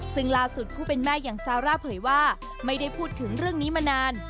ซึ่งล่าสุดผู้เป็นแม่อย่างซาร่าเผยว่าไม่ได้พูดถึงเรื่องนี้มานาน